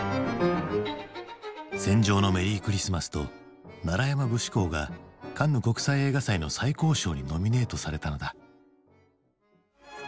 「戦場のメリークリスマス」と「山節考」がカンヌ国際映画祭の最高賞にノミネートされたのだ。